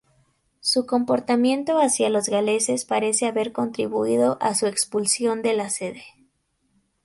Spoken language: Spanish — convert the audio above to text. Su comportamiento hacia los galeses parece haber contribuido a su expulsión de la sede.